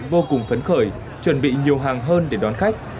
vô cùng phấn khởi chuẩn bị nhiều hàng hơn để đón khách